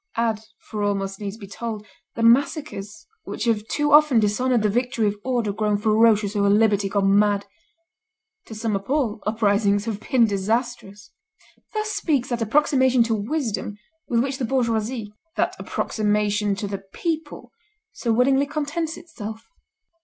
Add, for all must needs be told, the massacres which have too often dishonored the victory of order grown ferocious over liberty gone mad. To sum up all, uprisings have been disastrous." Thus speaks that approximation to wisdom with which the bourgeoisie, that approximation to the people, so willingly contents itself.